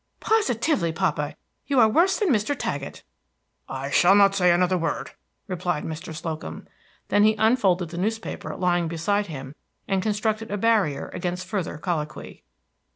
"Positively, papa, you are worse than Mr. Taggett." "I shall not say another word," replied Mr. Slocum. Then he unfolded the newspaper lying beside him, and constructed a barrier against further colloquy.